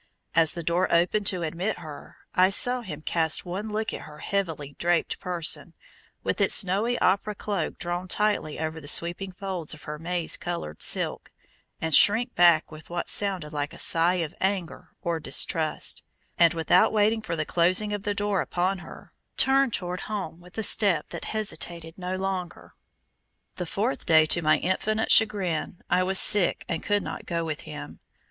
As the door opened to admit her, I saw him cast one look at her heavily draped person, with its snowy opera cloak drawn tightly over the sweeping folds of her maize colored silk, and shrink back with what sounded like a sigh of anger or distrust, and without waiting for the closing of the door upon her, turn toward home with a step that hesitated no longer. The fourth day to my infinite chagrin, I was sick and could not go with him.